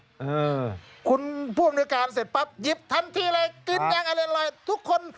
เออคุณผู้อำนวยการเสร็จปั๊บหยิบทันทีเลยกินยังอร่อยทุกคน